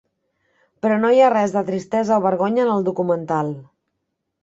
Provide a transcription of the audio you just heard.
Però no hi ha res de tristesa o vergonya en el documental.